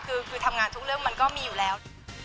คือทำงานทุกเรื่องมันก็มีอยู่แล้ว